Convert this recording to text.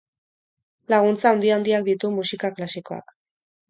Laguntza handi-handiak ditu musika klasikoak.